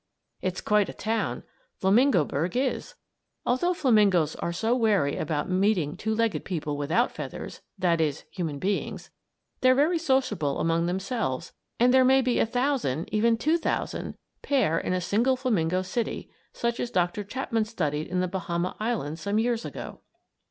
It's quite a town, Flamingoburg is. Although flamingoes are so wary about meeting two legged people without feathers that is, human beings they're very sociable among themselves and there may be a thousand, even two thousand, pair in a single flamingo city, such as Doctor Chapman studied in the Bahama Islands some years ago.